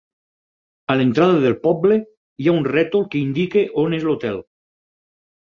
A l'entrada del poble hi ha un rètol que indica on és l'hotel.